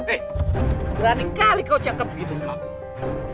eh berani kali kau siap siap begitu sama aku